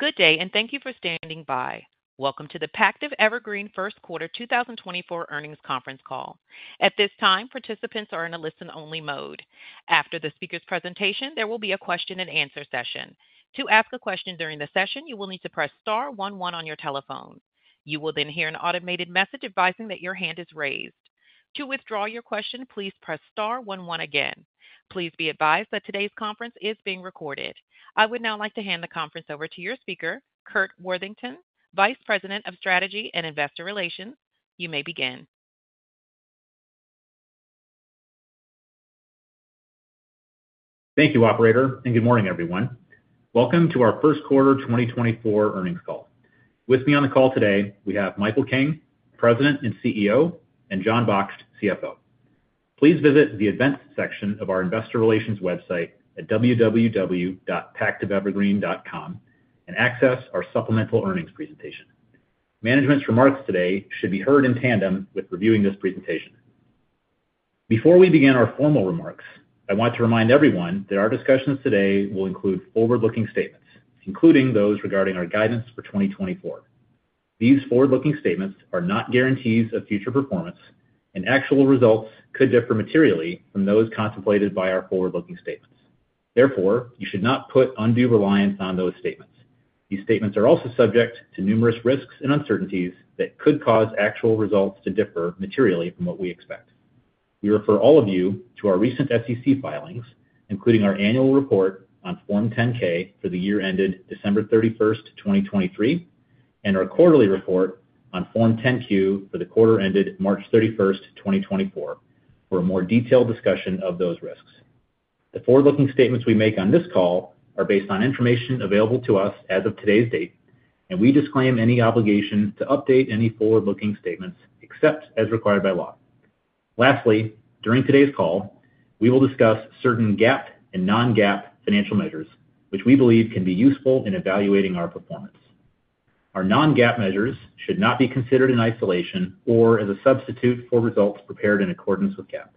Good day, and thank you for standing by. Welcome to the Pactiv Evergreen First Quarter 2024 Earnings Conference Call. At this time, participants are in a listen-only mode. After the speaker's presentation, there will be a question-and-answer session. To ask a question during the session, you will need to press star one one on your telephone. You will then hear an automated message advising that your hand is raised. To withdraw your question, please press star one one again. Please be advised that today's conference is being recorded. I would now like to hand the conference over to your speaker, Curt Worthington, Vice President of Strategy and Investor Relations. You may begin. Thank you, operator, and good morning, everyone. Welcome to our first quarter 2024 earnings call. With me on the call today, we have Michael King, President and CEO, and Jon Baksht, CFO. Please visit the events section of our investor relations website at www.pactivevergreen.com and access our supplemental earnings presentation. Management's remarks today should be heard in tandem with reviewing this presentation. Before we begin our formal remarks, I want to remind everyone that our discussions today will include forward-looking statements, including those regarding our guidance for 2024. These forward-looking statements are not guarantees of future performance, and actual results could differ materially from those contemplated by our forward-looking statements. Therefore, you should not put undue reliance on those statements. These statements are also subject to numerous risks and uncertainties that could cause actual results to differ materially from what we expect. We refer all of you to our recent SEC filings, including our annual report on Form 10-K for the year ended December 31, 2023, and our quarterly report on Form 10-Q for the quarter ended March 31, 2024, for a more detailed discussion of those risks. The forward-looking statements we make on this call are based on information available to us as of today's date, and we disclaim any obligation to update any forward-looking statements except as required by law. Lastly, during today's call, we will discuss certain GAAP and non-GAAP financial measures, which we believe can be useful in evaluating our performance. Our non-GAAP measures should not be considered in isolation or as a substitute for results prepared in accordance with GAAP,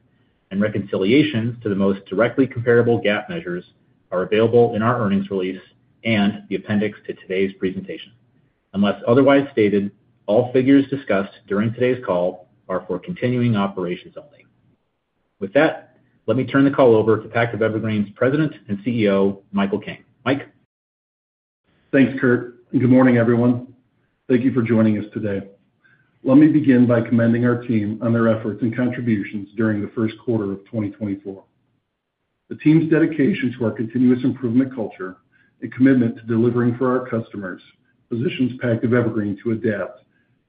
and reconciliations to the most directly comparable GAAP measures are available in our earnings release and the appendix to today's presentation. Unless otherwise stated, all figures discussed during today's call are for continuing operations only. With that, let me turn the call over to Pactiv Evergreen's President and CEO, Michael King. Mike? Thanks, Curt, and good morning, everyone. Thank you for joining us today. Let me begin by commending our team on their efforts and contributions during the first quarter of 2024. The team's dedication to our continuous improvement culture and commitment to delivering for our customers positions Pactiv Evergreen to adapt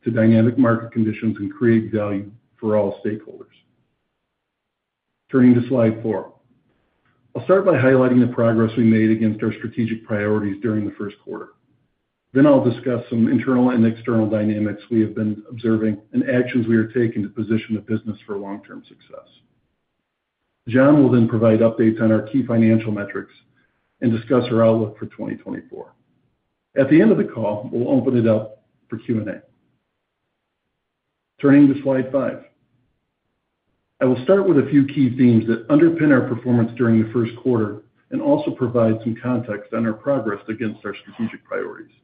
to dynamic market conditions and create value for all stakeholders. Turning to slide four. I'll start by highlighting the progress we made against our strategic priorities during the first quarter. Then I'll discuss some internal and external dynamics we have been observing and actions we are taking to position the business for long-term success. Jon will then provide updates on our key financial metrics and discuss our outlook for 2024. At the end of the call, we'll open it up for Q&A. Turning to slide five. I will start with a few key themes that underpin our performance during the first quarter and also provide some context on our progress against our strategic priorities.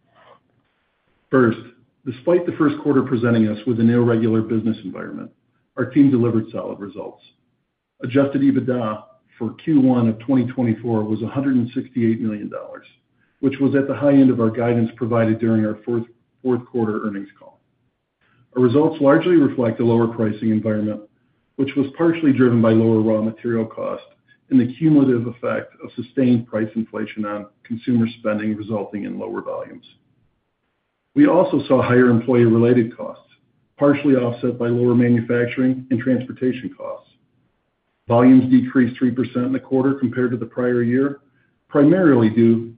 First, despite the first quarter presenting us with an irregular business environment, our team delivered solid results. Adjusted EBITDA for Q1 of 2024 was $168 million, which was at the high end of our guidance provided during our fourth quarter earnings call. Our results largely reflect a lower pricing environment, which was partially driven by lower raw material costs and the cumulative effect of sustained price inflation on consumer spending, resulting in lower volumes. We also saw higher employee-related costs, partially offset by lower manufacturing and transportation costs. Volumes decreased 3% in the quarter compared to the prior year, primarily due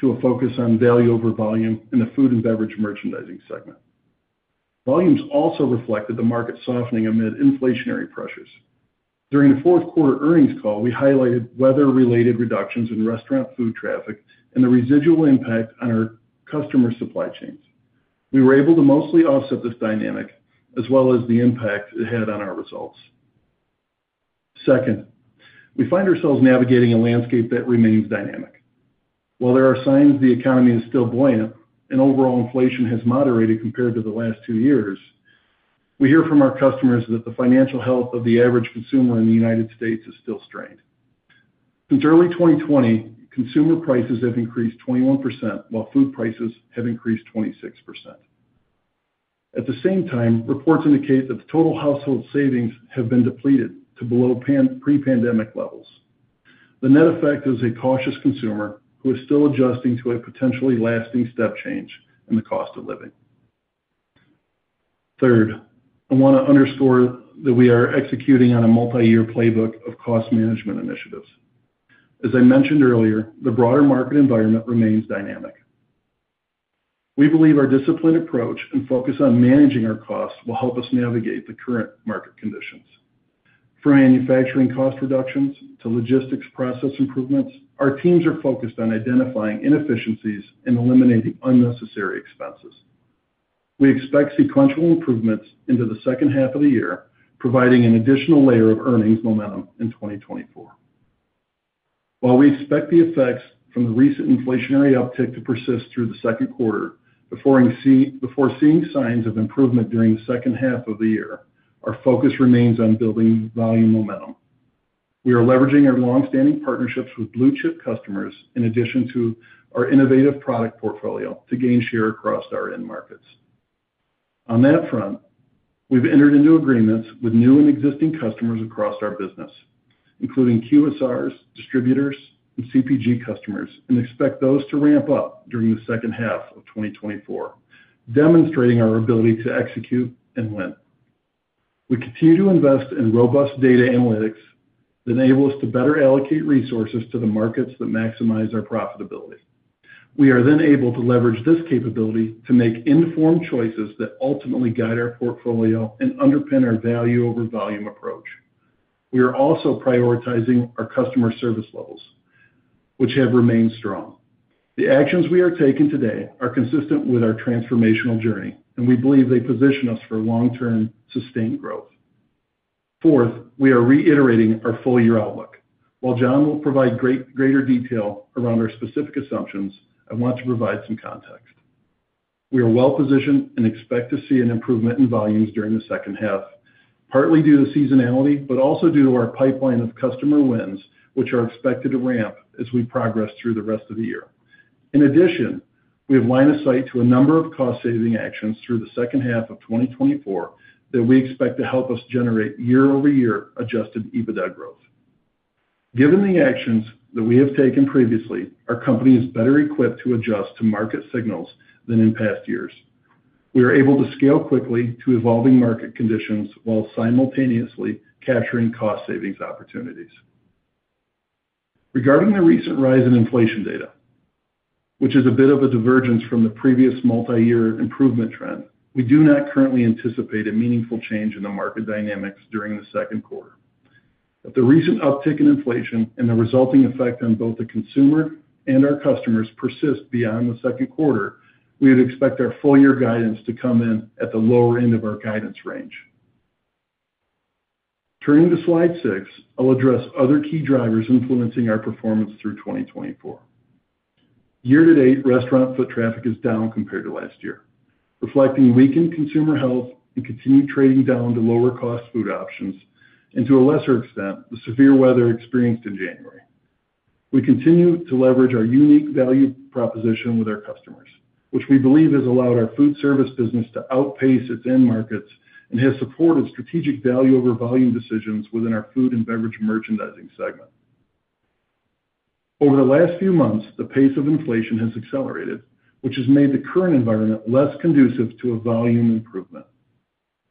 to a focus on value over volume in the Food and Beverage Merchandising segment. Volumes also reflected the market softening amid inflationary pressures. During the fourth quarter earnings call, we highlighted weather-related reductions in restaurant foot traffic and the residual impact on our customer supply chains. We were able to mostly offset this dynamic as well as the impact it had on our results. Second, we find ourselves navigating a landscape that remains dynamic. While there are signs the economy is still buoyant and overall inflation has moderated compared to the last two years, we hear from our customers that the financial health of the average consumer in the United States is still strained. Since early 2020, consumer prices have increased 21%, while food prices have increased 26%. At the same time, reports indicate that the total household savings have been depleted to below pre-pandemic levels. The net effect is a cautious consumer who is still adjusting to a potentially lasting step change in the cost of living. Third, I want to underscore that we are executing on a multi-year playbook of cost management initiatives. As I mentioned earlier, the broader market environment remains dynamic. We believe our disciplined approach and focus on managing our costs will help us navigate the current market conditions. From manufacturing cost reductions to logistics process improvements, our teams are focused on identifying inefficiencies and eliminating unnecessary expenses. We expect sequential improvements into the second half of the year, providing an additional layer of earnings momentum in 2024. While we expect the effects from the recent inflationary uptick to persist through the second quarter, before seeing signs of improvement during the second half of the year, our focus remains on building volume momentum. We are leveraging our long-standing partnerships with blue-chip customers, in addition to our innovative product portfolio, to gain share across our end markets. On that front, we've entered into agreements with new and existing customers across our business, including QSRs, distributors, and CPG customers, and expect those to ramp up during the second half of 2024, demonstrating our ability to execute and win. We continue to invest in robust data analytics that enable us to better allocate resources to the markets that maximize our profitability. We are then able to leverage this capability to make informed choices that ultimately guide our portfolio and underpin our value-over-volume approach. We are also prioritizing our customer service levels, which have remained strong. The actions we are taking today are consistent with our transformational journey, and we believe they position us for long-term, sustained growth. Fourth, we are reiterating our full-year outlook. While Jon will provide greater detail around our specific assumptions, I want to provide some context. We are well positioned and expect to see an improvement in volumes during the second half, partly due to seasonality, but also due to our pipeline of customer wins, which are expected to ramp as we progress through the rest of the year. In addition, we have line of sight to a number of cost-saving actions through the second half of 2024 that we expect to help us generate year-over-year Adjusted EBITDA growth. Given the actions that we have taken previously, our company is better equipped to adjust to market signals than in past years. We are able to scale quickly to evolving market conditions while simultaneously capturing cost savings opportunities. Regarding the recent rise in inflation data, which is a bit of a divergence from the previous multiyear improvement trend, we do not currently anticipate a meaningful change in the market dynamics during the second quarter. If the recent uptick in inflation and the resulting effect on both the consumer and our customers persist beyond the second quarter, we would expect our full year guidance to come in at the lower end of our guidance range. Turning to Slide 6, I'll address other key drivers influencing our performance through 2024. Year-to-date, restaurant foot traffic is down compared to last year, reflecting weakened consumer health and continued trading down to lower-cost food options, and to a lesser extent, the severe weather experienced in January. We continue to leverage our unique value proposition with our customers, which we believe has allowed our Foodservice business to outpace its end markets and has supported strategic value-over-volume decisions within our Food and Beverage Merchandising segment. Over the last few months, the pace of inflation has accelerated, which has made the current environment less conducive to a volume improvement.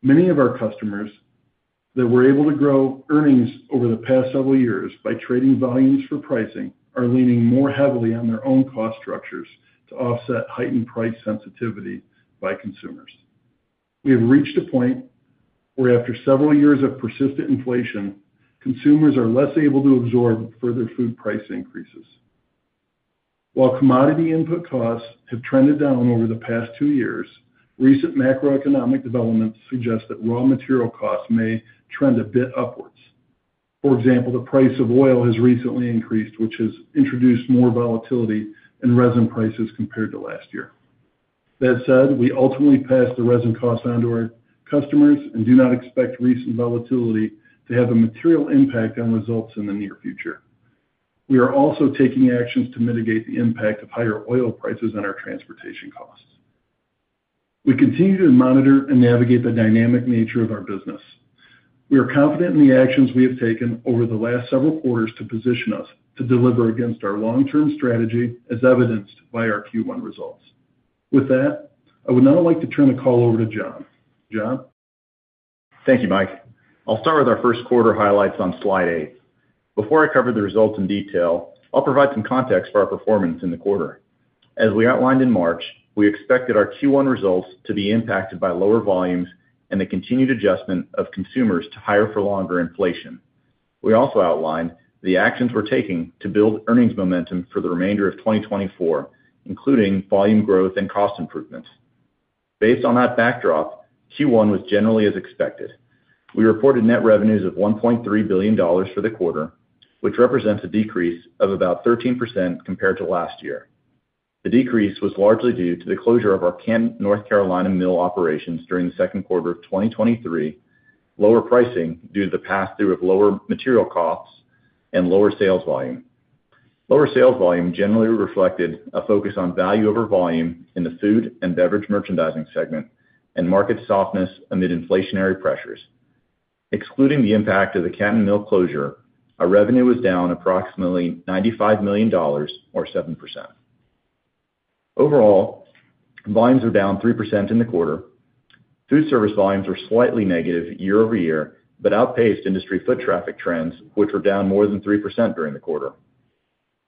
Many of our customers that were able to grow earnings over the past several years by trading volumes for pricing are leaning more heavily on their own cost structures to offset heightened price sensitivity by consumers. We have reached a point where, after several years of persistent inflation, consumers are less able to absorb further food price increases. While commodity input costs have trended down over the past two years, recent macroeconomic developments suggest that raw material costs may trend a bit upwards. For example, the price of oil has recently increased, which has introduced more volatility in resin prices compared to last year. That said, we ultimately pass the resin costs on to our customers and do not expect recent volatility to have a material impact on results in the near future. We are also taking actions to mitigate the impact of higher oil prices on our transportation costs. We continue to monitor and navigate the dynamic nature of our business. We are confident in the actions we have taken over the last several quarters to position us to deliver against our long-term strategy, as evidenced by our Q1 results. With that, I would now like to turn the call over to Jon. Jon? Thank you, Mike. I'll start with our first quarter highlights on Slide 8. Before I cover the results in detail, I'll provide some context for our performance in the quarter. As we outlined in March, we expected our Q1 results to be impacted by lower volumes and the continued adjustment of consumers to higher-for-longer inflation. We also outlined the actions we're taking to build earnings momentum for the remainder of 2024, including volume growth and cost improvements. Based on that backdrop, Q1 was generally as expected. We reported net revenues of $1.3 billion for the quarter, which represents a decrease of about 13% compared to last year. The decrease was largely due to the closure of our Canton, North Carolina, mill operations during the second quarter of 2023, lower pricing due to the pass-through of lower material costs, and lower sales volume. Lower sales volume generally reflected a focus on value over volume in the food and beverage merchandising segment and market softness amid inflationary pressures. Excluding the impact of the Canton mill closure, our revenue was down approximately $95 million, or 7%. Overall, volumes were down 3% in the quarter. Foodservice volumes were slightly negative year-over-year, but outpaced industry foot traffic trends, which were down more than 3% during the quarter.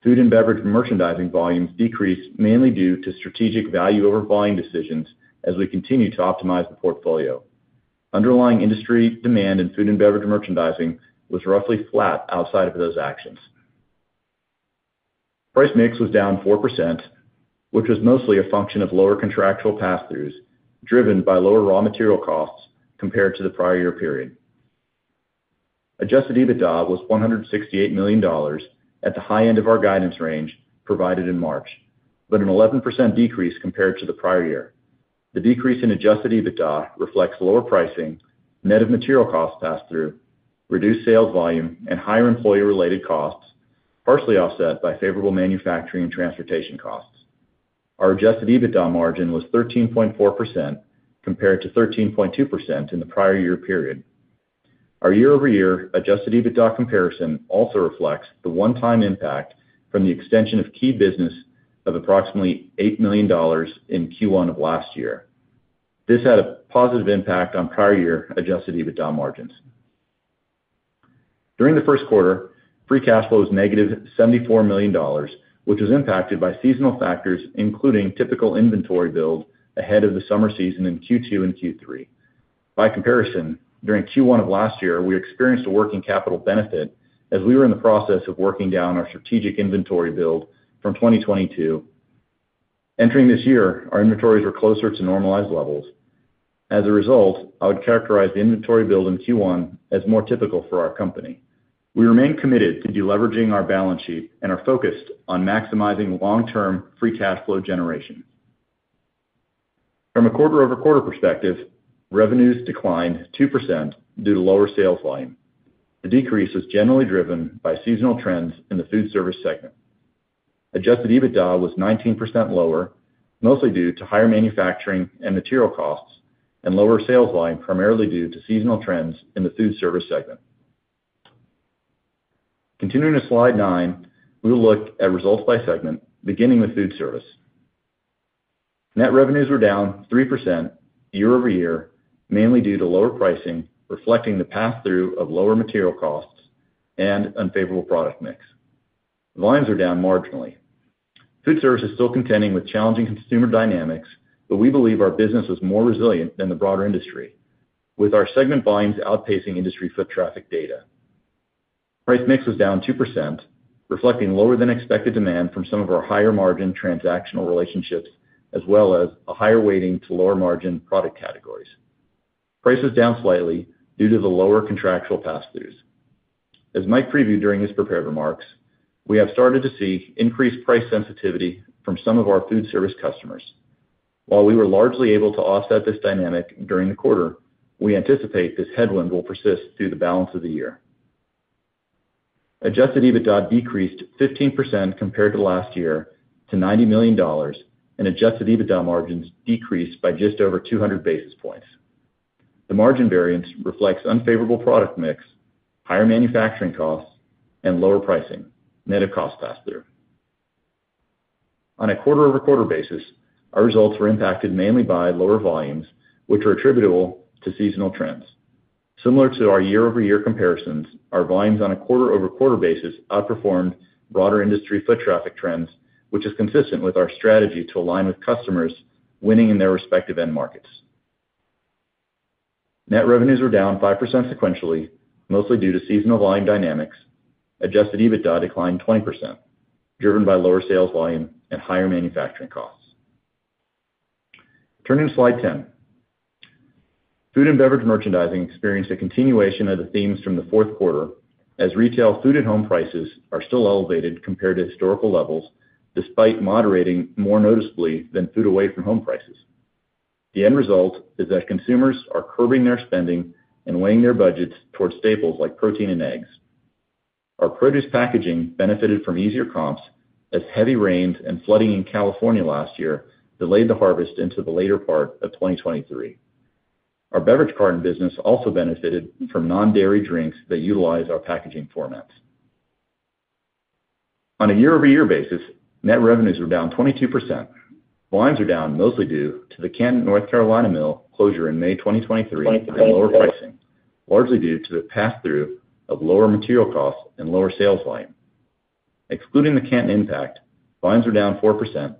Food and beverage merchandising volumes decreased mainly due to strategic value-over-volume decisions as we continue to optimize the portfolio. Underlying industry demand in food and beverage merchandising was roughly flat outside of those actions.... Price mix was down 4%, which was mostly a function of lower contractual pass-throughs, driven by lower raw material costs compared to the prior year period. Adjusted EBITDA was $168 million at the high end of our guidance range provided in March, but an 11% decrease compared to the prior year. The decrease in adjusted EBITDA reflects lower pricing, net of material costs passed through, reduced sales volume, and higher employee-related costs, partially offset by favorable manufacturing and transportation costs. Our adjusted EBITDA margin was 13.4%, compared to 13.2% in the prior year period. Our year-over-year adjusted EBITDA comparison also reflects the one-time impact from the extension of key business of approximately $8 million in Q1 of last year. This had a positive impact on prior year adjusted EBITDA margins. During the first quarter, free cash flow was negative $74 million, which was impacted by seasonal factors, including typical inventory build ahead of the summer season in Q2 and Q3. By comparison, during Q1 of last year, we experienced a working capital benefit as we were in the process of working down our strategic inventory build from 2022. Entering this year, our inventories are closer to normalized levels. As a result, I would characterize the inventory build in Q1 as more typical for our company. We remain committed to deleveraging our balance sheet and are focused on maximizing long-term free cash flow generation. From a quarter-over-quarter perspective, revenues declined 2% due to lower sales volume. The decrease is generally driven by seasonal trends in the Foodservice segment. Adjusted EBITDA was 19% lower, mostly due to higher manufacturing and material costs and lower sales volume, primarily due to seasonal trends in the Foodservice segment. Continuing to slide 9, we will look at results by segment, beginning with Foodservice. Net revenues were down 3% year-over-year, mainly due to lower pricing, reflecting the pass-through of lower material costs and unfavorable product mix. Volumes are down marginally. Foodservice is still contending with challenging consumer dynamics, but we believe our business is more resilient than the broader industry, with our segment volumes outpacing industry foot traffic data. Price mix was down 2%, reflecting lower than expected demand from some of our higher margin transactional relationships, as well as a higher weighting to lower margin product categories. Price was down slightly due to the lower contractual pass-throughs. As Mike previewed during his prepared remarks, we have started to see increased price sensitivity from some of our foodservice customers. While we were largely able to offset this dynamic during the quarter, we anticipate this headwind will persist through the balance of the year. Adjusted EBITDA decreased 15% compared to last year to $90 million, and adjusted EBITDA margins decreased by just over 200 basis points. The margin variance reflects unfavorable product mix, higher manufacturing costs, and lower pricing, net of cost pass-through. On a quarter-over-quarter basis, our results were impacted mainly by lower volumes, which are attributable to seasonal trends. Similar to our year-over-year comparisons, our volumes on a quarter-over-quarter basis outperformed broader industry foot traffic trends, which is consistent with our strategy to align with customers winning in their respective end markets. Net revenues were down 5% sequentially, mostly due to seasonal volume dynamics. Adjusted EBITDA declined 20%, driven by lower sales volume and higher manufacturing costs. Turning to slide 10. Food and beverage merchandising experienced a continuation of the themes from the fourth quarter, as retail food at home prices are still elevated compared to historical levels, despite moderating more noticeably than food away from home prices. The end result is that consumers are curbing their spending and weighing their budgets towards staples like protein and eggs. Our produce packaging benefited from easier comps as heavy rains and flooding in California last year delayed the harvest into the later part of 2023. Our beverage carton business also benefited from non-dairy drinks that utilize our packaging formats. On a year-over-year basis, net revenues were down 22%. Volumes are down, mostly due to the Canton, North Carolina mill closure in May 2023, and lower pricing, largely due to the pass-through of lower material costs and lower sales volume. Excluding the Canton impact, volumes are down 4%,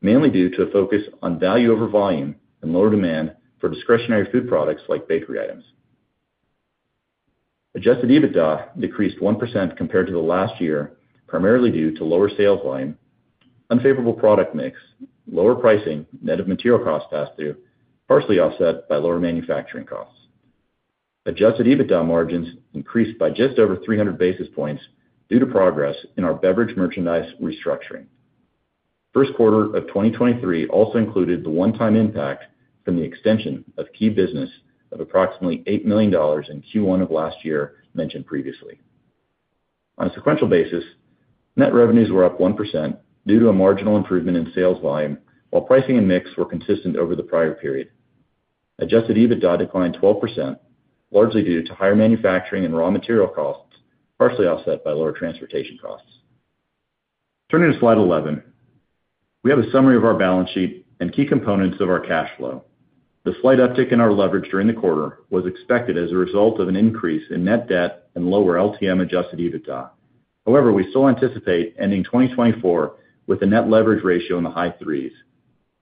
mainly due to a focus on value over volume and lower demand for discretionary food products like bakery items. Adjusted EBITDA decreased 1% compared to the last year, primarily due to lower sales volume, unfavorable product mix, lower pricing, net of material costs passed through, partially offset by lower manufacturing costs. Adjusted EBITDA margins increased by just over 300 basis points due to progress in our beverage merchandise restructuring. First quarter of 2023 also included the one-time impact from the extension of key business of approximately $8 million in Q1 of last year, mentioned previously. On a sequential basis, net revenues were up 1% due to a marginal improvement in sales volume, while pricing and mix were consistent over the prior period. Adjusted EBITDA declined 12%, largely due to higher manufacturing and raw material costs, partially offset by lower transportation costs. Turning to slide 11. We have a summary of our balance sheet and key components of our cash flow. The slight uptick in our leverage during the quarter was expected as a result of an increase in net debt and lower LTM adjusted EBITDA. However, we still anticipate ending 2024 with a net leverage ratio in the high threes.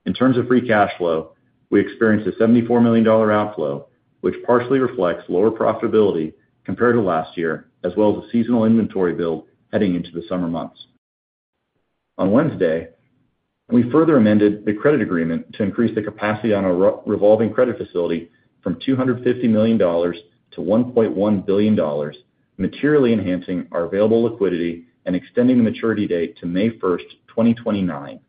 In terms of free cash flow, we experienced a $74 million outflow, which partially reflects lower profitability compared to last year, as well as a seasonal inventory build heading into the summer months. On Wednesday, we further amended the credit agreement to increase the capacity on our revolving credit facility from $250 million to $1.1 billion, materially enhancing our available liquidity and extending the maturity date to May 1, 2029.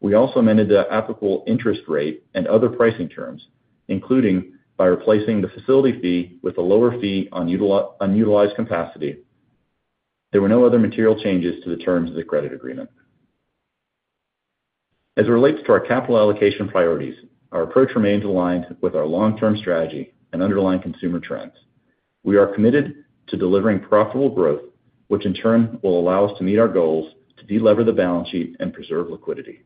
We also amended the applicable interest rate and other pricing terms, including by replacing the facility fee with a lower fee on unutilized capacity. There were no other material changes to the terms of the credit agreement. As it relates to our capital allocation priorities, our approach remains aligned with our long-term strategy and underlying consumer trends. We are committed to delivering profitable growth, which in turn will allow us to meet our goals to delever the balance sheet and preserve liquidity.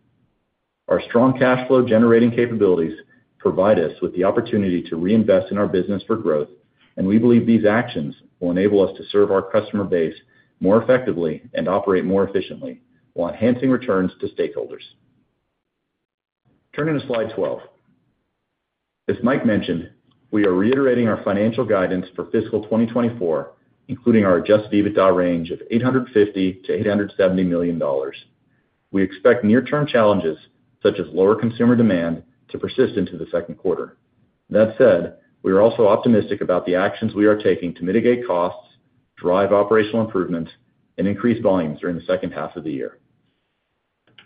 Our strong cash flow generating capabilities provide us with the opportunity to reinvest in our business for growth, and we believe these actions will enable us to serve our customer base more effectively and operate more efficiently while enhancing returns to stakeholders. Turning to slide 12. As Mike mentioned, we are reiterating our financial guidance for fiscal 2024, including our Adjusted EBITDA range of $850 million-$870 million. We expect near-term challenges, such as lower consumer demand, to persist into the second quarter. That said, we are also optimistic about the actions we are taking to mitigate costs, drive operational improvement, and increase volumes during the second half of the year.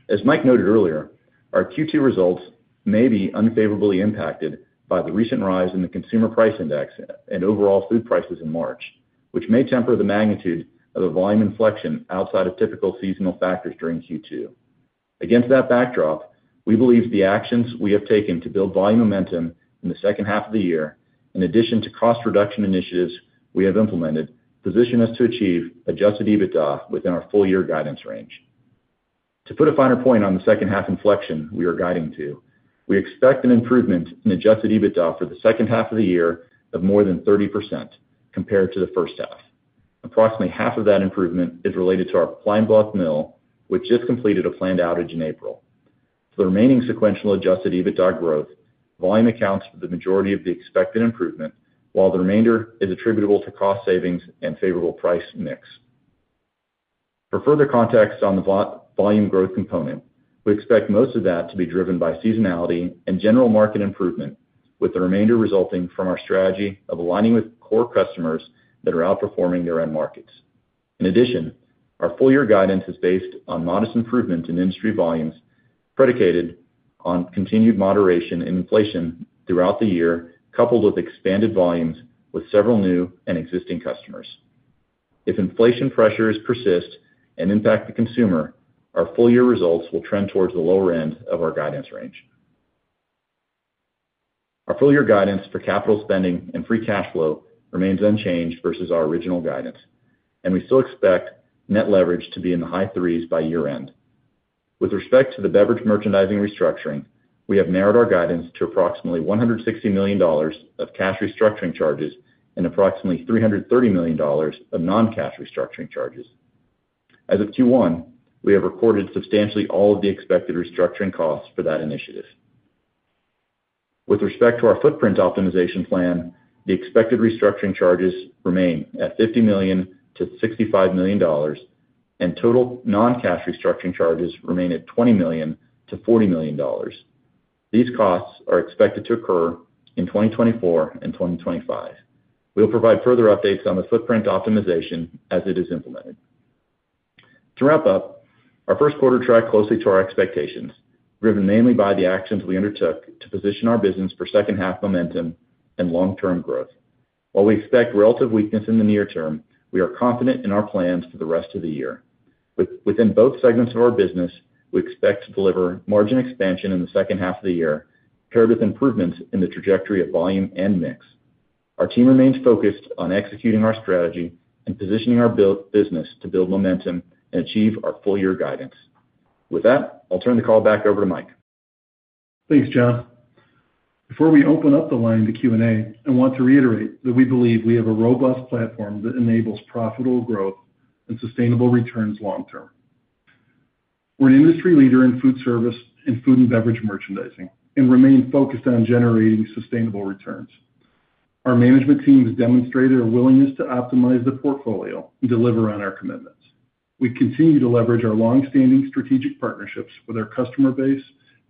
As Mike noted earlier, our Q2 results may be unfavorably impacted by the recent rise in the Consumer Price Index and overall food prices in March, which may temper the magnitude of the volume inflection outside of typical seasonal factors during Q2. Against that backdrop, we believe the actions we have taken to build volume momentum in the second half of the year, in addition to cost reduction initiatives we have implemented, position us to achieve Adjusted EBITDA within our full year guidance range. To put a finer point on the second half inflection we are guiding to, we expect an improvement in Adjusted EBITDA for the second half of the year of more than 30% compared to the first half. Approximately half of that improvement is related to our Pine Bluff mill, which just completed a planned outage in April. For the remaining sequential Adjusted EBITDA growth, volume accounts for the majority of the expected improvement, while the remainder is attributable to cost savings and favorable price mix. For further context on the volume growth component, we expect most of that to be driven by seasonality and general market improvement, with the remainder resulting from our strategy of aligning with core customers that are outperforming their end markets. In addition, our full year guidance is based on modest improvement in industry volumes, predicated on continued moderation in inflation throughout the year, coupled with expanded volumes with several new and existing customers. If inflation pressures persist and impact the consumer, our full year results will trend towards the lower end of our guidance range. Our full year guidance for capital spending and free cash flow remains unchanged versus our original guidance, and we still expect net leverage to be in the high threes by year-end. With respect to the beverage merchandising restructuring, we have narrowed our guidance to approximately $160 million of cash restructuring charges and approximately $330 million of non-cash restructuring charges. As of Q1, we have recorded substantially all of the expected restructuring costs for that initiative. With respect to our footprint optimization plan, the expected restructuring charges remain at $50 million-$65 million, and total non-cash restructuring charges remain at $20 million-$40 million. These costs are expected to occur in 2024 and 2025. We'll provide further updates on the footprint optimization as it is implemented. To wrap up, our first quarter tracked closely to our expectations, driven mainly by the actions we undertook to position our business for second half momentum and long-term growth. While we expect relative weakness in the near term, we are confident in our plans for the rest of the year. Within both segments of our business, we expect to deliver margin expansion in the second half of the year, paired with improvements in the trajectory of volume and mix. Our team remains focused on executing our strategy and positioning our business to build momentum and achieve our full year guidance. With that, I'll turn the call back over to Mike. Thanks, Jon. Before we open up the line to Q&A, I want to reiterate that we believe we have a robust platform that enables profitable growth and sustainable returns long term. We're an industry leader in Foodservice and food and beverage merchandising and remain focused on generating sustainable returns. Our management team has demonstrated a willingness to optimize the portfolio and deliver on our commitments. We continue to leverage our long-standing strategic partnerships with our customer base,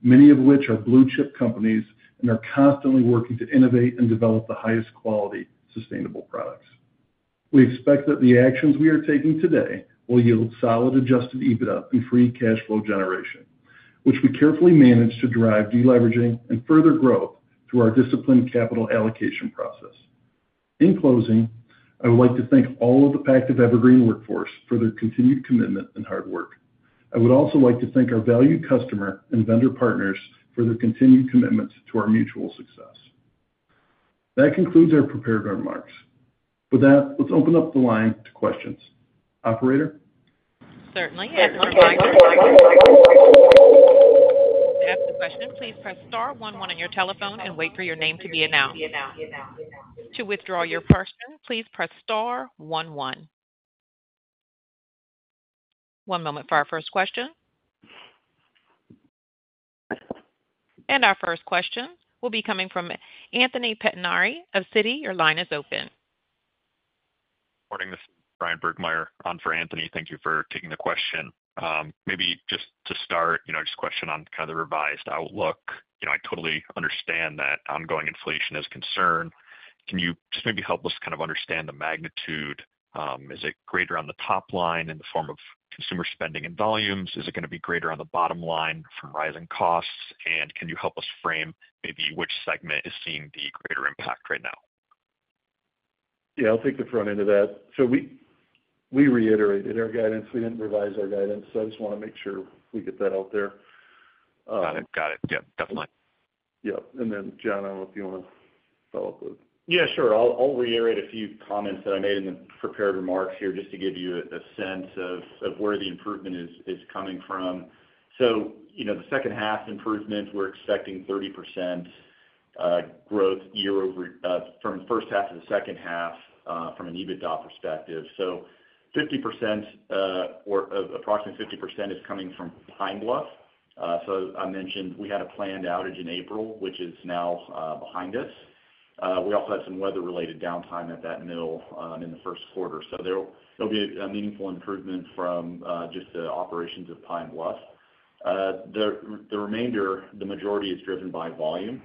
many of which are blue chip companies, and are constantly working to innovate and develop the highest quality, sustainable products. We expect that the actions we are taking today will yield solid Adjusted EBITDA and Free Cash Flow generation, which we carefully manage to drive deleveraging and further growth through our disciplined capital allocation process. In closing, I would like to thank all of the Pactiv Evergreen workforce for their continued commitment and hard work. I would also like to thank our valued customer and vendor partners for their continued commitment to our mutual success. That concludes our prepared remarks. With that, let's open up the line to questions. Operator? Certainly. To ask a question, please press star one one on your telephone and wait for your name to be announced. To withdraw your question, please press star one one.... One moment for our first question. Our first question will be coming from Anthony Pettinari of Citi. Your line is open. Morning, this is Bryan Burgmeier on for Anthony. Thank you for taking the question. Maybe just to start, you know, just a question on kind of the revised outlook. You know, I totally understand that ongoing inflation is a concern. Can you just maybe help us kind of understand the magnitude? Is it greater on the top line in the form of consumer spending and volumes? Is it gonna be greater on the bottom line from rising costs? And can you help us frame maybe which segment is seeing the greater impact right now? Yeah, I'll take the front end of that. So we reiterated our guidance. We didn't revise our guidance, so I just want to make sure we get that out there. Got it. Got it. Yep, definitely. Yep, and then, Jon, I don't know if you want to follow up with. Yeah, sure. I'll reiterate a few comments that I made in the prepared remarks here, just to give you a sense of where the improvement is coming from. So, you know, the second half improvements, we're expecting 30% growth year-over-year from the first half to the second half from an EBITDA perspective. So 50% or approximately 50% is coming from Pine Bluff. So I mentioned we had a planned outage in April, which is now behind us. We also had some weather-related downtime at that mill in the first quarter. So there'll be a meaningful improvement from just the operations of Pine Bluff. The remainder, the majority is driven by volume.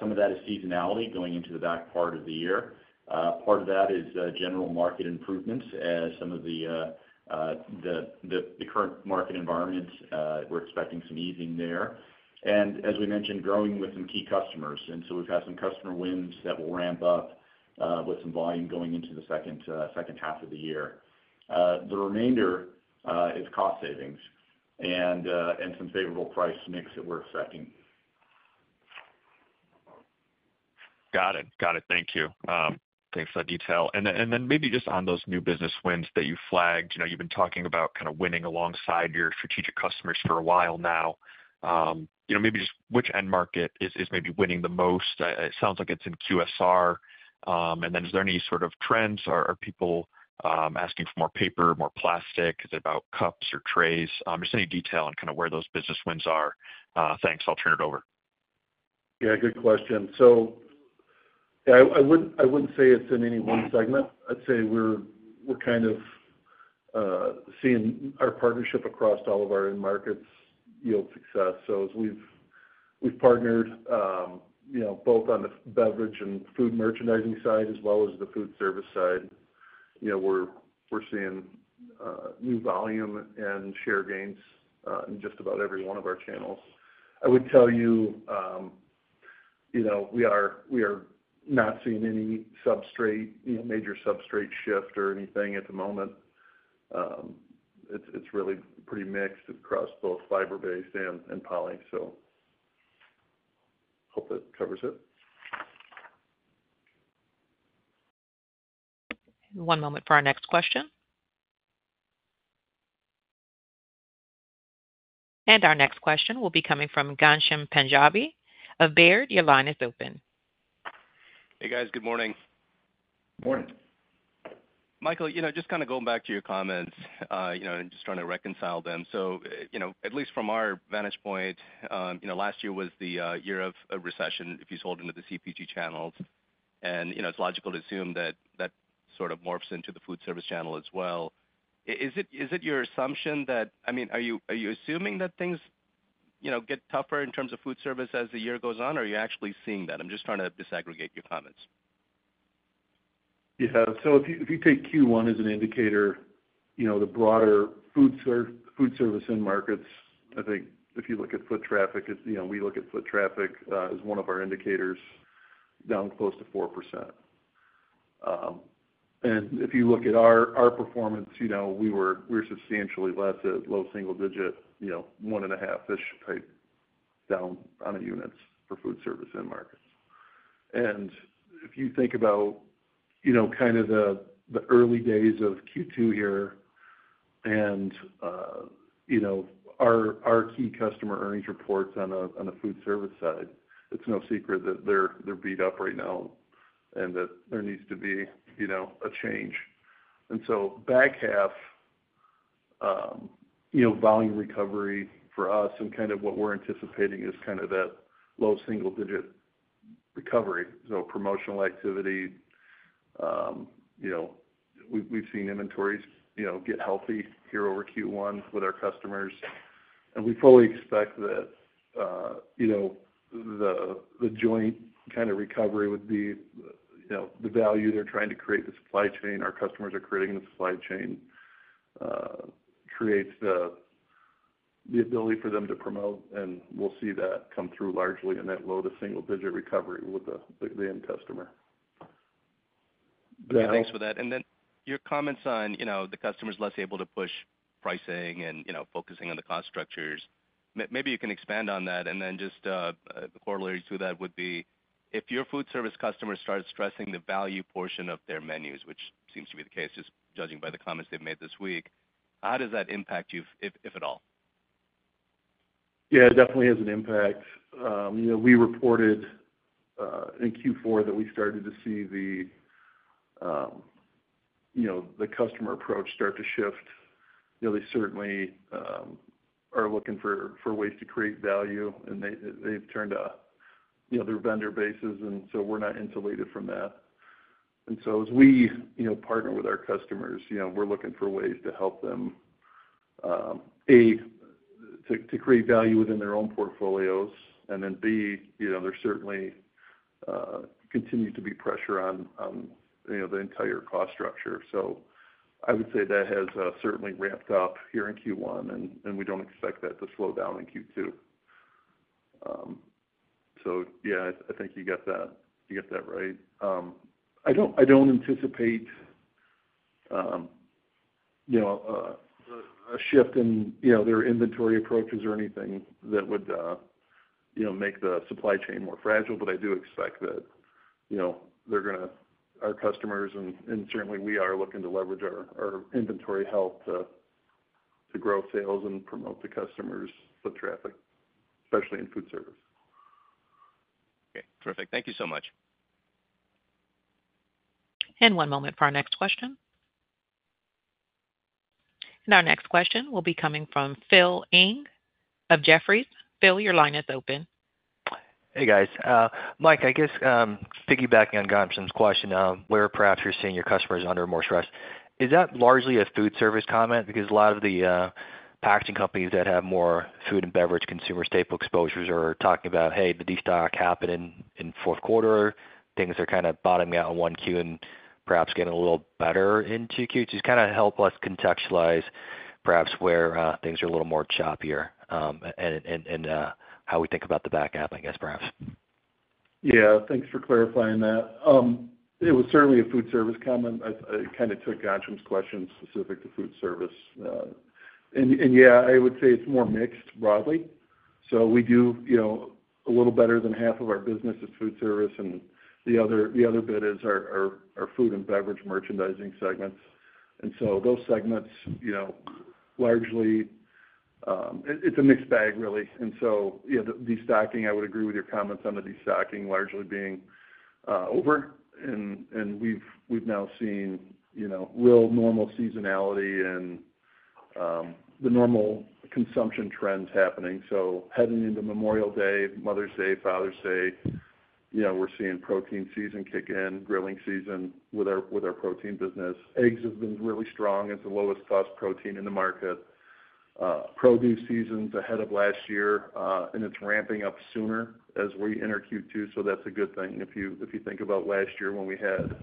Some of that is seasonality going into the back part of the year. Part of that is general market improvements as some of the current market environment, we're expecting some easing there. And as we mentioned, growing with some key customers, and so we've had some customer wins that will ramp up with some volume going into the second half of the year. The remainder is cost savings and some favorable price mix that we're expecting. Got it. Got it. Thank you. Thanks for that detail. And then maybe just on those new business wins that you flagged, you know, you've been talking about kind of winning alongside your strategic customers for a while now. You know, maybe just which end market is maybe winning the most? It sounds like it's in QSR. And then is there any sort of trends? Are people asking for more paper, more plastic? Is it about cups or trays? Just any detail on kind of where those business wins are. Thanks. I'll turn it over. Yeah, good question. So, yeah, I wouldn't say it's in any one segment. I'd say we're seeing our partnership across all of our end markets yield success. So as we've partnered, you know, both on the beverage and food merchandising side, as well as the Foodservice side, you know, we're seeing new volume and share gains in just about every one of our channels. I would tell you, you know, we are not seeing any substrate, you know, major substrate shift or anything at the moment. It's really pretty mixed across both fiber-based and poly. So, hope that covers it. One moment for our next question. Our next question will be coming from Ghansham Panjabi of Baird. Your line is open. Hey, guys. Good morning. Morning. Michael, you know, just kind of going back to your comments, you know, and just trying to reconcile them. So, you know, at least from our vantage point, you know, last year was the year of a recession, if you sold into the CPG channels. And, you know, it's logical to assume that that sort of morphs into the Foodservice channel as well. Is it, is it your assumption that-- I mean, are you, are you assuming that things, you know, get tougher in terms of Foodservice as the year goes on, or are you actually seeing that? I'm just trying to disaggregate your comments. Yeah. So if you take Q1 as an indicator, you know, the broader Foodservice end markets, I think if you look at foot traffic, it's, you know, we look at foot traffic as one of our indicators, down close to 4%. And if you look at our performance, you know, we were substantially less at low single digit, you know, 1.5-ish type down on the units for Foodservice end markets. And if you think about, you know, kind of the early days of Q2 here and, you know, our key customer earnings reports on the Foodservice side, it's no secret that they're beat up right now, and that there needs to be, you know, a change. And so back half, you know, volume recovery for us and kind of what we're anticipating is kind of that low single digit recovery. So promotional activity, you know, we've seen inventories, you know, get healthy here over Q1 with our customers, and we fully expect that, you know, the joint kind of recovery would be, you know, the value they're trying to create in the supply chain, our customers are creating in the supply chain, creates the ability for them to promote, and we'll see that come through largely in that low to single digit recovery with the end customer. Okay, thanks for that. And then your comments on, you know, the customers less able to push pricing and, you know, focusing on the cost structures. Maybe you can expand on that, and then just, corollary to that would be, if your Foodservice customers start stressing the value portion of their menus, which seems to be the case, just judging by the comments they've made this week, how does that impact you, if at all?... Yeah, it definitely has an impact. You know, we reported in Q4 that we started to see the, you know, the customer approach start to shift. You know, they certainly are looking for ways to create value, and they, they've turned to, you know, their vendor bases, and so we're not insulated from that. And so as we, you know, partner with our customers, you know, we're looking for ways to help them, A, to create value within their own portfolios, and then B, you know, there certainly continues to be pressure on, you know, the entire cost structure. So I would say that has certainly ramped up here in Q1, and we don't expect that to slow down in Q2. So yeah, I think you get that right. I don't anticipate, you know, a shift in, you know, their inventory approaches or anything that would, you know, make the supply chain more fragile, but I do expect that, you know, our customers, and certainly we are looking to leverage our inventory health to grow sales and promote the customers' foot traffic, especially in Foodservice. Okay, perfect. Thank you so much. One moment for our next question. Our next question will be coming from Phil Ng of Jefferies. Phil, your line is open. Hey, guys. Mike, I guess, piggybacking on Ghansham's question, where perhaps you're seeing your customers under more stress. Is that largely a Foodservice comment? Because a lot of the packaging companies that have more food and beverage consumer staple exposures are talking about, hey, the destock happened in fourth quarter. Things are kind of bottoming out in one Q and perhaps getting a little better in Q2. Just kind of help us contextualize perhaps where things are a little more choppier, and how we think about the back half, I guess, perhaps. Yeah, thanks for clarifying that. It was certainly a Foodservice comment. I kind of took Ghansham's question specific to Foodservice, and yeah, I would say it's more mixed broadly. So we do, you know, a little better than half of our business is FooFservice, and the other bit is our food and beverage merchandising segments. And so those segments, you know, largely, it's a mixed bag, really. And so, you know, the destocking, I would agree with your comments on the destocking largely being over, and we've now seen, you know, real normal seasonality and the normal consumption trends happening. So heading into Memorial Day, Mother's Day, Father's Day, you know, we're seeing protein season kick in, grilling season with our protein business. Eggs have been really strong. It's the lowest cost protein in the market. Produce season's ahead of last year, and it's ramping up sooner as we enter Q2, so that's a good thing. If you think about last year when we had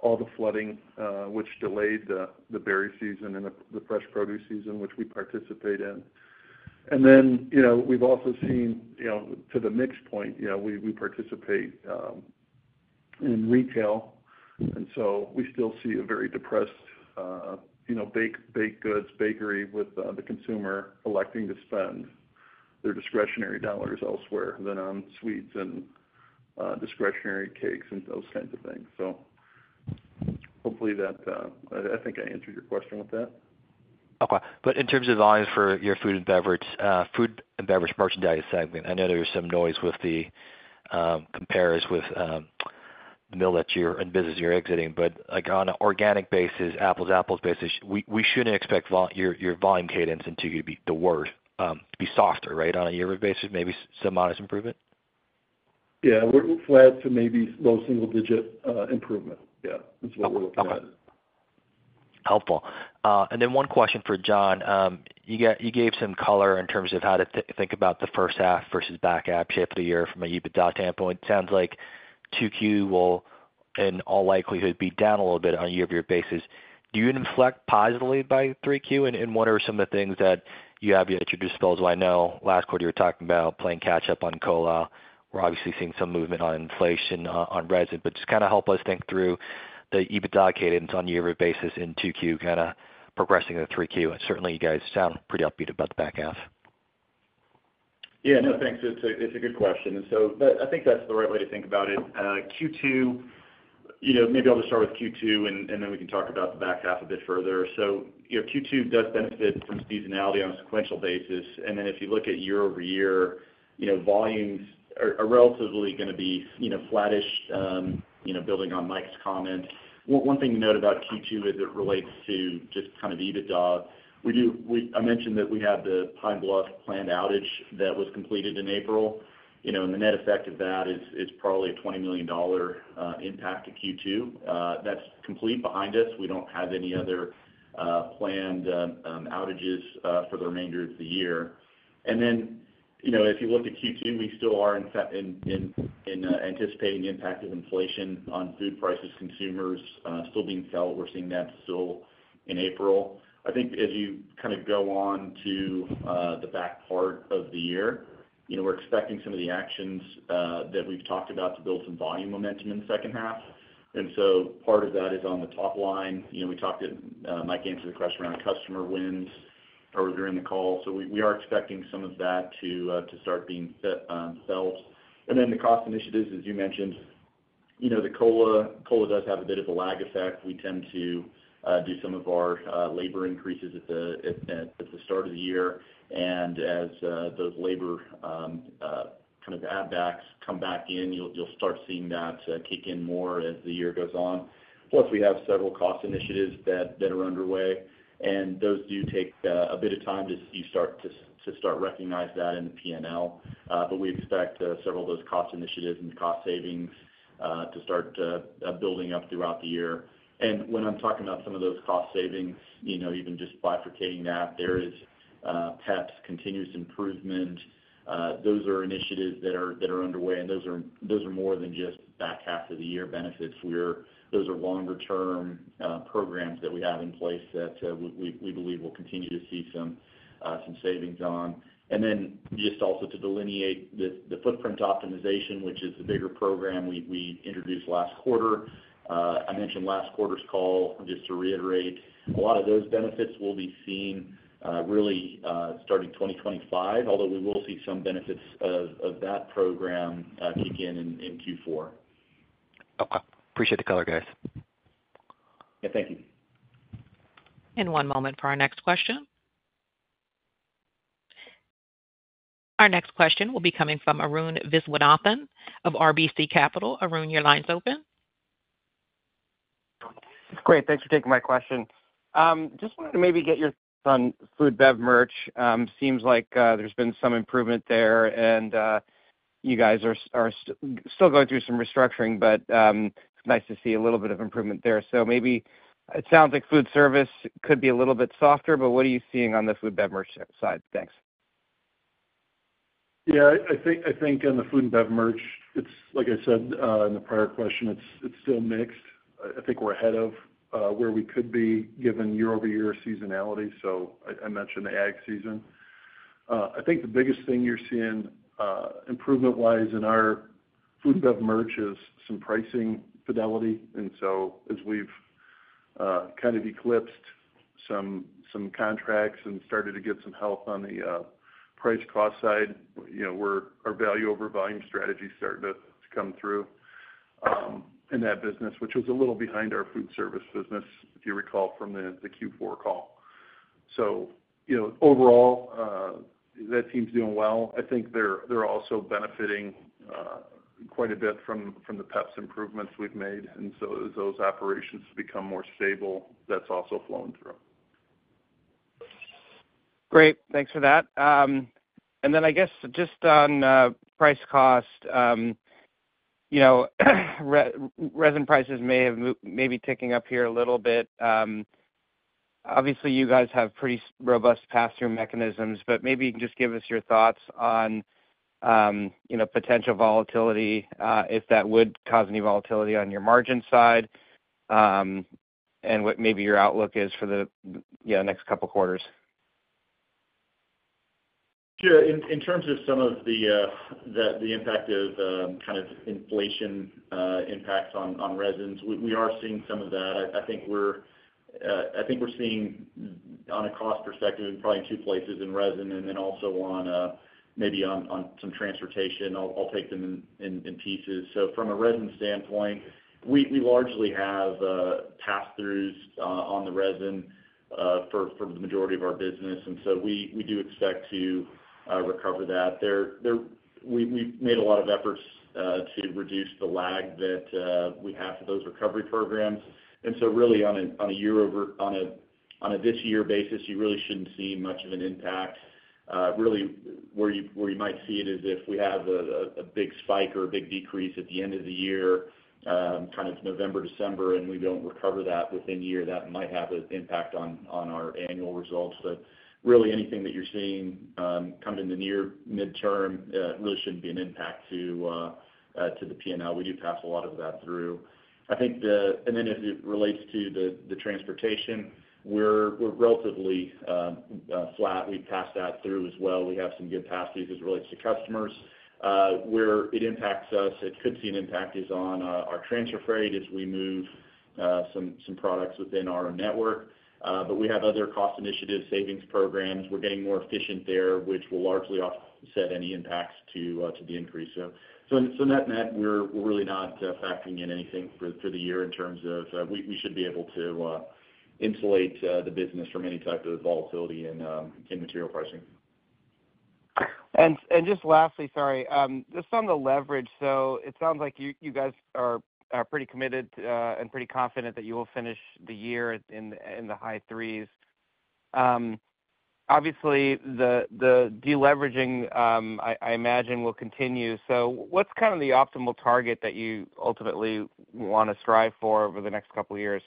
all the flooding, which delayed the berry season and the fresh produce season, which we participate in. And then, you know, we've also seen, you know, to the mix point, you know, we participate in retail, and so we still see a very depressed, you know, baked goods, bakery with the consumer electing to spend their discretionary dollars elsewhere than on sweets and discretionary cakes and those kinds of things. So hopefully that... I think I answered your question with that. Okay. But in terms of volumes for your food and beverage, food and beverage merchandise segment, I know there's some noise with the, compares with, the mill and business you're exiting. But, like, on an organic basis, apples-to-apples basis, we, we shouldn't expect your, your volume cadence in 2Q to be the worst, to be softer, right, on a year-over-year basis? Maybe some modest improvement? Yeah, we're flat to maybe low single digit improvement. Yeah, that's what we're looking at. Okay. Helpful. And then one question for John. You gave some color in terms of how to think about the first half versus back half, shape of the year from an EBITDA standpoint. It sounds like 2Q will, in all likelihood, be down a little bit on a year-over-year basis. Do you inflect positively by 3Q, and what are some of the things that you have at your disposal? I know last quarter you were talking about playing catch up on COLA. We're obviously seeing some movement on inflation, on res, but just kind of help us think through the EBITDA cadence on a year-over-year basis in 2Q, kind of progressing to 3Q. And certainly, you guys sound pretty upbeat about the back half. Yeah. No, thanks. It's a good question. And so that's the right way to think about it. Q2, you know, maybe I'll just start with Q2, and then we can talk about the back half a bit further. So, you know, Q2 does benefit from seasonality on a sequential basis, and then if you look at year-over-year, you know, volumes are relatively gonna be, you know, flattish, you know, building on Mike's comment. One thing to note about Q2 as it relates to just kind of EBITDA, I mentioned that we have the Pine Bluff planned outage that was completed in April. You know, and the net effect of that is probably a $20 million impact to Q2. That's complete behind us. We don't have any other planned outages for the remainder of the year. And then, you know, if you look at Q2, we still are in fact anticipating the impact of inflation on food prices, consumers still being felt. We're seeing that still in April. I think as you kind of go on to the back part of the year, you know, we're expecting some of the actions that we've talked about to build some volume momentum in the second half. And so part of that is on the top line. You know, we talked to Mike answered a question around customer wins earlier during the call. So we are expecting some of that to start being sales. And then the cost initiatives, as you mentioned-... You know, the COLA, COLA does have a bit of a lag effect. We tend to do some of our labor increases at the start of the year. And as those labor kind of add backs come back in, you'll start seeing that kick in more as the year goes on. Plus, we have several cost initiatives that are underway, and those do take a bit of time to start to recognize that in the PNL. But we expect several of those cost initiatives and cost savings to start building up throughout the year. And when I'm talking about some of those cost savings, you know, even just bifurcating that, there is PEPS, continuous improvement. Those are initiatives that are underway, and those are more than just back half of the year benefits. Those are longer-term programs that we have in place that we believe will continue to see some savings on. And then just also to delineate the footprint optimization, which is the bigger program we introduced last quarter. I mentioned last quarter's call, just to reiterate, a lot of those benefits will be seen really starting 2025, although we will see some benefits of that program kick in in Q4. Oh, I appreciate the color, guys. Yeah, thank you. One moment for our next question. Our next question will be coming from Arun Viswanathan of RBC Capital. Arun, your line's open. Great, thanks for taking my question. Just wanted to maybe get your on food bev merch. Seems like, there's been some improvement there, and you guys are still going through some restructuring, but it's nice to see a little bit of improvement there. So maybe it sounds like Foodservice could be a little bit softer, but what are you seeing on the food bev merch side? Thanks. Yeah, I think on the food and bev merch, it's like I said in the prior question, it's still mixed. I think we're ahead of where we could be given year-over-year seasonality. So I mentioned the ag season. I think the biggest thing you're seeing improvement-wise in our food bev merch is some pricing fidelity. And so as we've kind of eclipsed some contracts and started to get some help on the price cost side, you know, we're our value over volume strategy is starting to come through in that business, which was a little behind our Foodservice business, if you recall from the Q4 call. So, you know, overall, that team's doing well. I think they're also benefiting quite a bit from the PEPS improvements we've made, and so as those operations become more stable, that's also flowing through. Great. Thanks for that. And then I guess just on price cost, you know, resin prices may be ticking up here a little bit. Obviously, you guys have pretty robust pass-through mechanisms, but maybe you can just give us your thoughts on, you know, potential volatility, if that would cause any volatility on your margin side, and what maybe your outlook is for the, yeah, next couple of quarters. Sure. In terms of some of the impact of kind of inflation impacts on resins, we are seeing some of that. I think we're seeing on a cost perspective, in probably two places in resin, and then also on maybe on some transportation. I'll take them in pieces. So from a resin standpoint, we largely have pass-throughs on the resin for the majority of our business, and so we do expect to recover that. We've made a lot of efforts to reduce the lag that we have for those recovery programs. And so really on a year over- on a this year basis, you really shouldn't see much of an impact. Really, where you might see it is if we have a big spike or a big decrease at the end of the year, kind of November, December, and we don't recover that within a year, that might have an impact on our annual results. But really, anything that you're seeing, kind of in the near midterm, really shouldn't be an impact to the PNL. We do pass a lot of that through. I think the... And then as it relates to the transportation, we're relatively flat. We pass that through as well. We have some good capacities as it relates to customers. Where it impacts us, it could see an impact is on our transfer freight as we move some products within our network. But we have other cost initiatives, savings programs. We're getting more efficient there, which will largely offset any impacts to the increase. So, net net, we're really not factoring in anything for the year in terms of we should be able to insulate the business from any type of volatility in material pricing. And just lastly, sorry, just on the leverage. So it sounds like you guys are pretty committed and pretty confident that you will finish the year in the high threes. Obviously, the deleveraging, I imagine, will continue. So what's kind of the optimal target that you ultimately want to strive for over the next couple of years?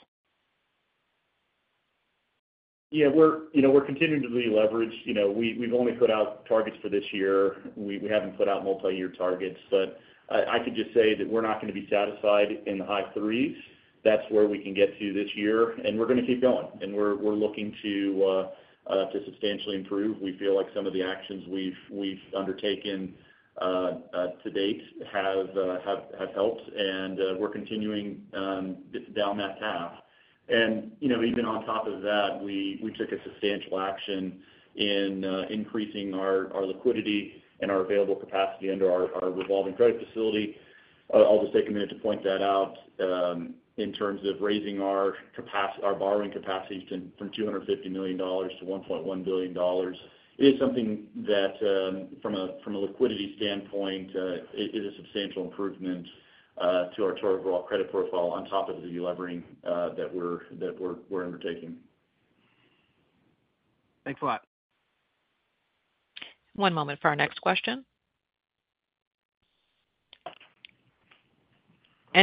Yeah, we're, you know, we're continuing to deleverage. You know, we've only put out targets for this year. We haven't put out multi-year targets, but I could just say that we're not gonna be satisfied in the high threes. That's where we can get to this year, and we're gonna keep going. And we're looking to substantially improve. We feel like some of the actions we've undertaken to date have helped, and we're continuing just down that path. And, you know, even on top of that, we took a substantial action in increasing our liquidity and our available capacity under our revolving credit facility.... I'll just take a minute to point that out, in terms of raising our borrowing capacity from $250 million to $1.1 billion. It is something that, from a liquidity standpoint, it is a substantial improvement to our total credit profile on top of the delevering that we're undertaking. Thanks a lot. One moment for our next question.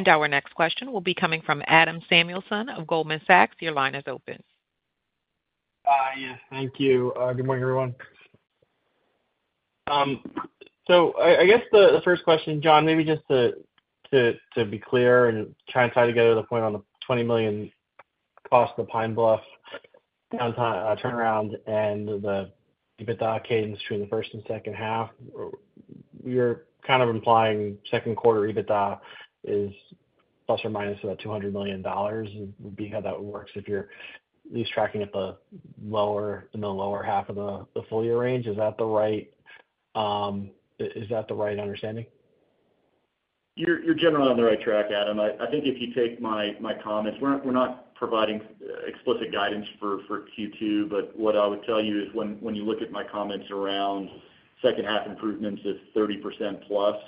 Our next question will be coming from Adam Samuelson of Goldman Sachs. Your line is open. Yeah, thank you. Good morning, everyone. So I guess the first question, Jon, maybe just to be clear and try and tie together the point on the $20 million cost of the Pine Bluff downtime turnaround and the EBITDA cadence between the first and second half. You're kind of implying second quarter EBITDA is ± about $200 million, would be how that works, if you're at least tracking in the lower half of the full year range. Is that the right understanding? You're generally on the right track, Adam. I think if you take my comments, we're not providing explicit guidance for Q2, but what I would tell you is when you look at my comments around second half improvements, it's 30%+.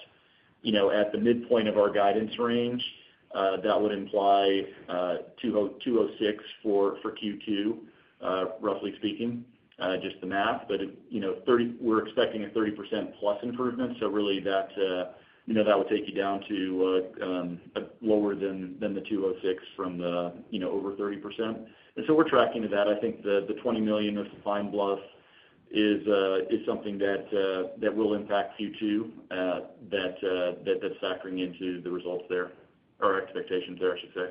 You know, at the midpoint of our guidance range, that would imply $206 for Q2, roughly speaking, just the math. But, you know, we're expecting a 30%+ improvement, so really that, you know, that will take you down to lower than the $206 from the, you know, over 30%. And so we're tracking to that. I think the $20 million with Pine Bluff is something that will impact Q2, that's factoring into the results there, or expectations there, I should say.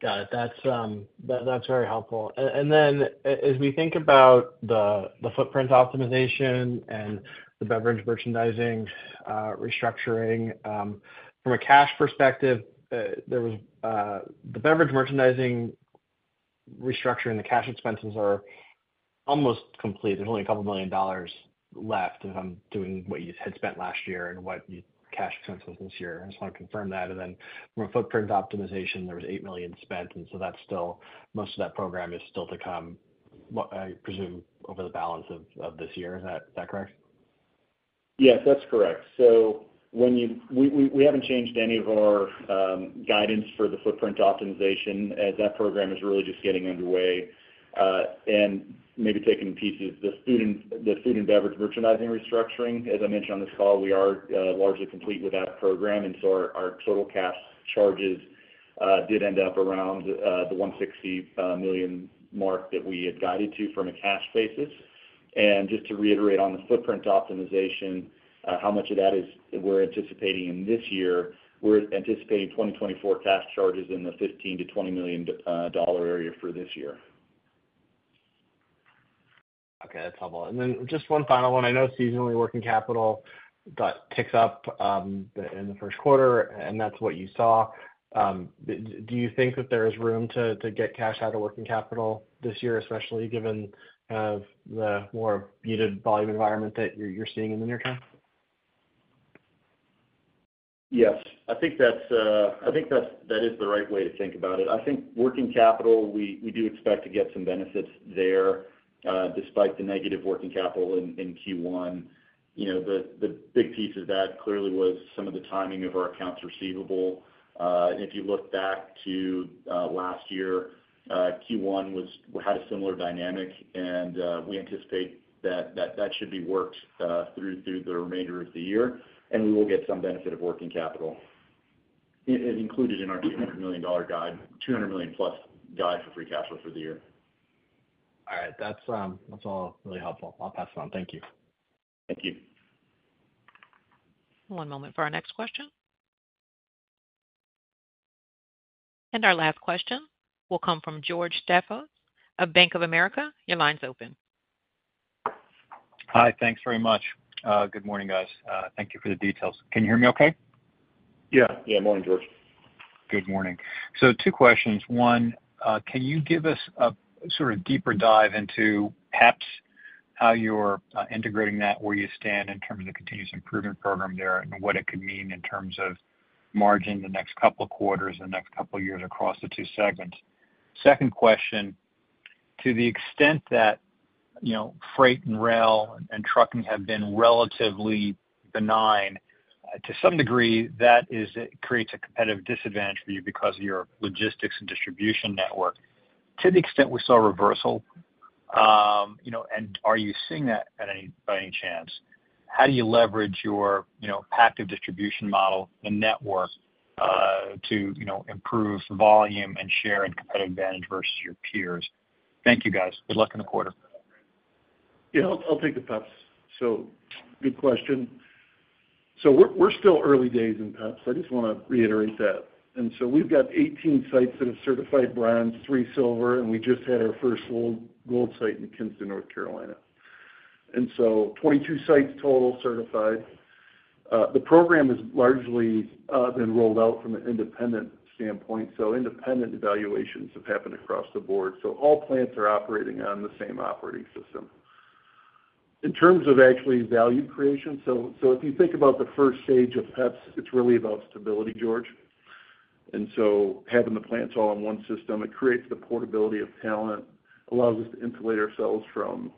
Got it. That's very helpful. And then as we think about the footprint optimization and the beverage merchandising restructuring, from a cash perspective, there was the beverage merchandising restructuring. The cash expenses are almost complete. There's only $2 million left if I'm doing what you had spent last year and cash expenses this year. I just want to confirm that. And then from a footprint optimization, there was $8 million spent, and so that's still. Most of that program is still to come, I presume, over the balance of this year. Is that correct? Yes, that's correct. So we haven't changed any of our guidance for the footprint optimization, as that program is really just getting underway. And maybe taking pieces, the food and beverage merchandising restructuring, as I mentioned on this call, we are largely complete with that program, and so our total cash charges did end up around the $160 million mark that we had guided to from a cash basis. And just to reiterate on the footprint optimization, we're anticipating in this year, we're anticipating 2024 cash charges in the $15 million-$20 million area for this year. Okay, that's helpful. And then just one final one. I know seasonally working capital, that ticks up in the first quarter, and that's what you saw. Do you think that there is room to get cash out of working capital this year, especially given the more muted volume environment that you're seeing in the near term? Yes. I think that's, I think that's, that is the right way to think about it. I think working capital, we, we do expect to get some benefits there, despite the negative working capital in Q1. You know, the big piece of that clearly was some of the timing of our accounts receivable. And if you look back to last year, Q1 had a similar dynamic, and we anticipate that that should be worked through the remainder of the year, and we will get some benefit of working capital. It is included in our $200 million guide, $200 million plus guide for free cash flow for the year. All right. That's, that's all really helpful. I'll pass it on. Thank you. Thank you. One moment for our next question. Our last question will come from George Staphos of Bank of America. Your line's open. Hi, thanks very much. Good morning, guys. Thank you for the details. Can you hear me okay? Yeah. Yeah. Morning, George. Good morning. So two questions. One, can you give us a sort of deeper dive into PEPS, how you're integrating that, where you stand in terms of the continuous improvement program there, and what it could mean in terms of margin the next couple of quarters and the next couple of years across the two segments? Second question, to the extent that, you know, freight and rail and trucking have been relatively benign, to some degree, that is, it creates a competitive disadvantage for you because of your logistics and distribution network. To the extent we saw a reversal, you know, and are you seeing that at any, by any chance, how do you leverage your, you know, Pactiv distribution model and network, to, you know, improve volume and share and competitive advantage versus your peers? Thank you, guys. Good luck in the quarter. Yeah, I'll take the PEPS. So good question. So we're still early days in PEPS. I just want to reiterate that. And so we've got 18 sites that have certified bronze, 3 silver, and we just had our first gold site in Kinston, North Carolina. And so 22 sites total certified. The program has largely been rolled out from an independent standpoint, so independent evaluations have happened across the board. So all plants are operating on the same operating system... In terms of actually value creation, so if you think about the first stage of PEPS, it's really about stability, George. And so having the plants all in one system, it creates the portability of talent, allows us to insulate ourselves from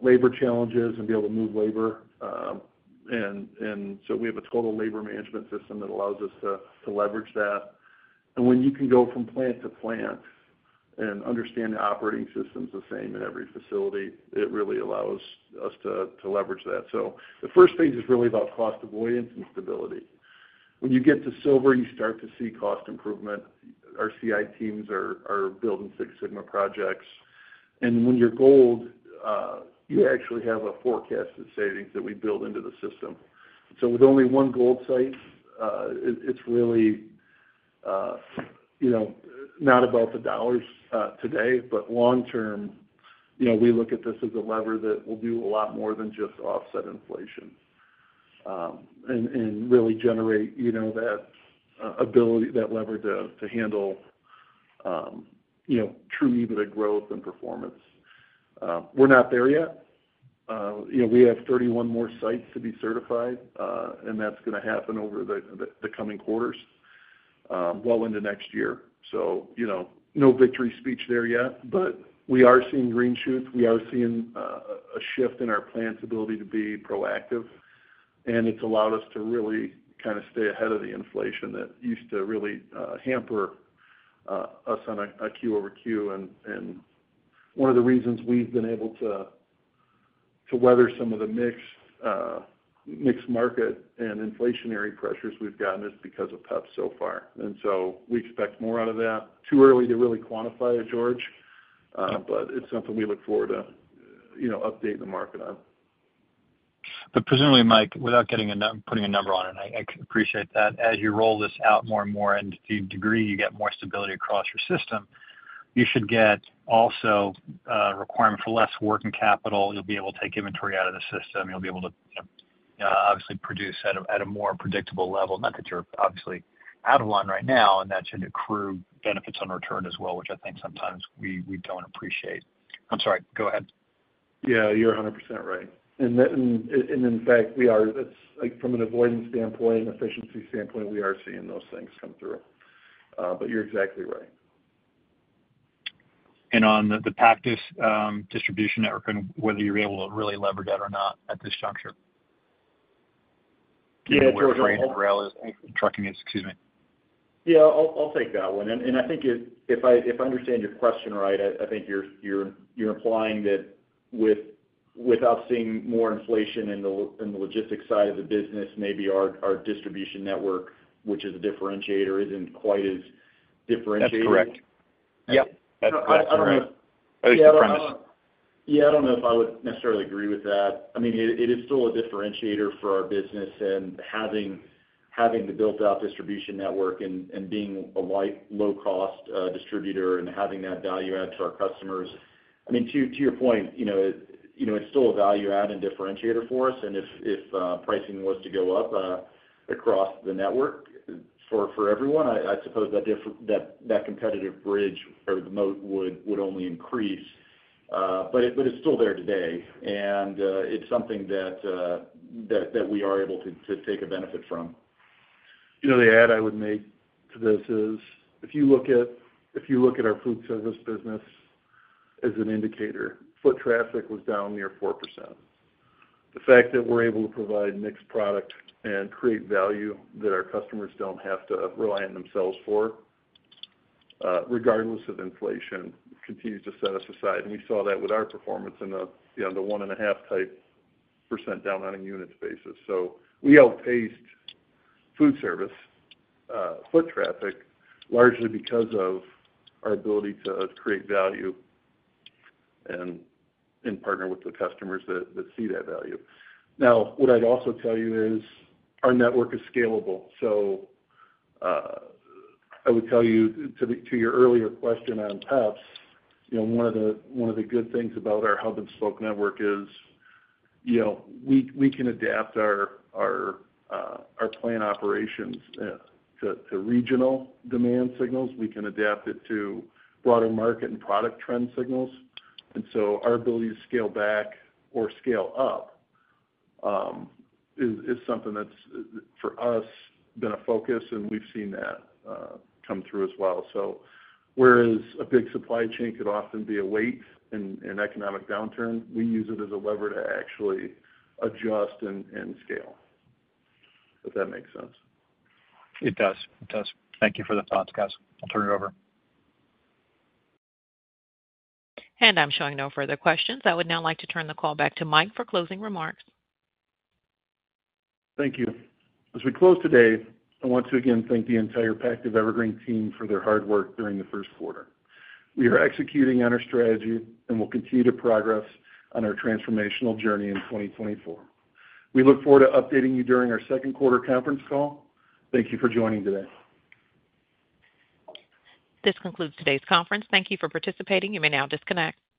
labor challenges and be able to move labor. And so we have a total labor management system that allows us to leverage that. And when you can go from plant to plant and understand the operating system's the same in every facility, it really allows us to leverage that. So the first stage is really about cost avoidance and stability. When you get to silver, you start to see cost improvement. Our CI teams are building Six Sigma projects. And when you're gold, you actually have a forecasted savings that we build into the system. So with only one gold site, it's really, you know, not about the dollars, today, but long term, you know, we look at this as a lever that will do a lot more than just offset inflation, and really generate, you know, that ability, that lever to handle, you know, true EBITDA growth and performance. We're not there yet. You know, we have 31 more sites to be certified, and that's gonna happen over the coming quarters, well into next year. So, you know, no victory speech there yet, but we are seeing green shoots. We are seeing a shift in our plant's ability to be proactive, and it's allowed us to really kind of stay ahead of the inflation that used to really hamper us on a Q-over-Q. One of the reasons we've been able to weather some of the mixed market and inflationary pressures we've gotten is because of PEPS so far. And so we expect more out of that. Too early to really quantify it, George, but it's something we look forward to, you know, updating the market on. But presumably, Mike, without putting a number on it, I appreciate that. As you roll this out more and more, and to the degree you get more stability across your system, you should get also requirement for less working capital. You'll be able to take inventory out of the system. You'll be able to, you know, obviously produce at a more predictable level, not that you're obviously out of one right now, and that should accrue benefits on return as well, which I think sometimes we don't appreciate. I'm sorry, go ahead. Yeah, you're 100% right. And that, in fact, we are, it's like from an avoidance standpoint and efficiency standpoint, we are seeing those things come through. But you're exactly right. On the Pactiv distribution network, and whether you're able to really leverage that or not at this juncture? Yeah, George, I'll- Where and rail is, trucking is... Excuse me. Yeah, I'll take that one. And I think if I understand your question right, I think you're implying that without seeing more inflation in the logistics side of the business, maybe our distribution network, which is a differentiator, isn't quite as differentiating. That's correct. Yep, that's correct. I don't know if- At least from- Yeah, I don't know if I would necessarily agree with that. I mean, it is still a differentiator for our business and having the built-out distribution network and being a light, low-cost distributor and having that value add to our customers. I mean, to your point, you know, it's still a value add and differentiator for us, and if pricing was to go up across the network for everyone, I suppose that competitive bridge or the moat would only increase. But it's still there today, and it's something that we are able to take a benefit from. You know, the add I would make to this is, if you look at, if you look at our Foodservice business as an indicator, foot traffic was down near 4%. The fact that we're able to provide mixed product and create value that our customers don't have to rely on themselves for, regardless of inflation, continues to set us aside. We saw that with our performance in the, you know, the 1.5 type percent down on a unit basis. We outpaced Foodservice foot traffic, largely because of our ability to create value and, and partner with the customers that, that see that value. Now, what I'd also tell you is our network is scalable. So, I would tell you to your earlier question on PEPS, you know, one of the good things about our hub and spoke network is, you know, we can adapt our plant operations to regional demand signals. We can adapt it to broader market and product trend signals. And so our ability to scale back or scale up is something that's for us been a focus, and we've seen that come through as well. So whereas a big supply chain could often be a weight in an economic downturn, we use it as a lever to actually adjust and scale. If that makes sense. It does. It does. Thank you for the thoughts, guys. I'll turn it over. I'm showing no further questions. I would now like to turn the call back to Mike for closing remarks. Thank you. As we close today, I want to again thank the entire Pactiv Evergreen team for their hard work during the first quarter. We are executing on our strategy and will continue to progress on our transformational journey in 2024. We look forward to updating you during our second quarter conference call. Thank you for joining today. This concludes today's conference. Thank you for participating. You may now disconnect.